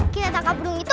kita takut burung itu